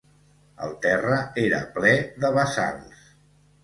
El terra era plè de bassals.